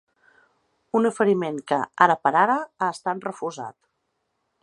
Un oferiment que, ara per ara, ha estat refusat.